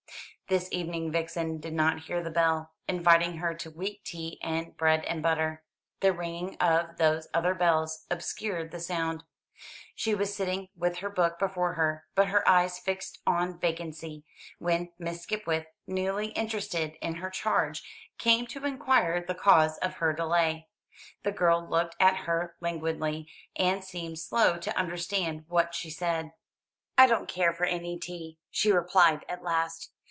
This evening Vixen did not hear the bell, inviting her to weak tea and bread and butter. The ringing of those other bells obscured the sound. She was sitting with her book before her, but her eyes fixed on vacancy, when Miss Skipwith, newly interested in her charge, came to inquire the cause of her delay. The girl looked at her languidly, and seemed slow to understand what she said. "I don't care for any tea," she replied at last.